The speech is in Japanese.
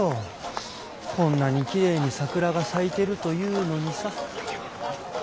こんなにきれいに桜が咲いてるというのにさ。